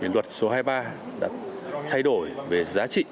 luật số hai mươi ba đã thay đổi về giá trị